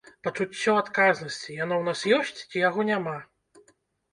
Пачуццё адказнасці, яно ў нас ёсць ці яго няма?